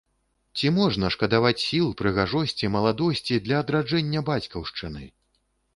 Ці можна шкадаваць сіл, прыгажосці, маладосці для адраджэння бацькаўшчыны?